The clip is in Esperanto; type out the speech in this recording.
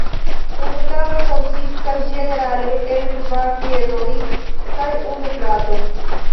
Unu tablo konsistas ĝenerale el kvar piedoj kaj unu plato.